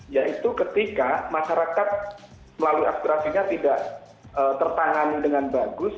yaitu ketika masyarakat melalui aspirasinya tidak tertangani dengan bagus